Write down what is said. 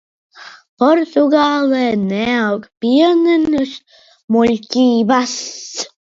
Portugālē neaug pienenes, muļķības!